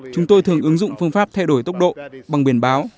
chúng tôi thường ứng dụng phương pháp thay đổi tốc độ bằng biển báo